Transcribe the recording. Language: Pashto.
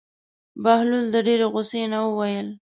بهلول د ډېرې غوسې نه وویل.